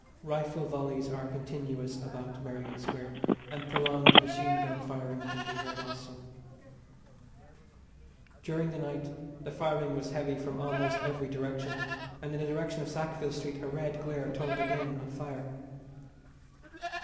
Rifle volleys are continuous about Merrion Square, and prolonged machine gun firing can be heard also. During the night the firing was heavy from almost every direction; and in the direction of Sackville Street a red glare told again of fire.